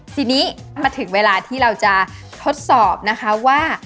ทีนี้มาถึงเวลาที่เราจะทดสอบนะคะว่า